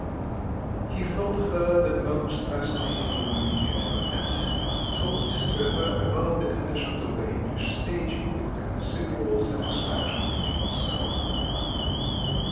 He thought her the most fascinating woman he had ever met, and talked to her about the conditions of the Enghsh stage with considerable satisfaction to himself.